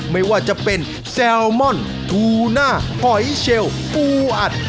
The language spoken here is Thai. ไม่ว่าจะเป็นแซลมอนทูน่าหอยเชลปูอัด